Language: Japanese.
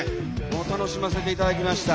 楽しませていただきました。